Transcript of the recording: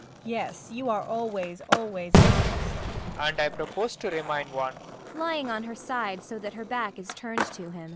] Yes, you are always, always an artist. PROFESSOR RUBEK. And I propose to remain one. MAIA. [Lying on her side, so that her back is turned to him.